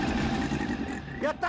やった！